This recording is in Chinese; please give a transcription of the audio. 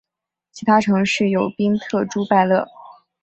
其他城市有宾特朱拜勒。